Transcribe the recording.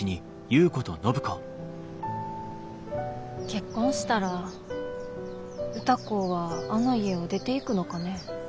結婚したら歌子はあの家を出ていくのかね？